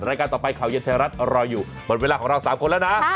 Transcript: รายการต่อไปข่าวเย็นไทยรัฐรออยู่หมดเวลาของเรา๓คนแล้วนะ